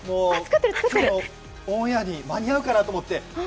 オンエアに間に合うかなと思って。